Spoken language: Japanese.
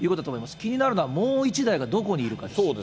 気になるのは、もう１台がどこにいるかです。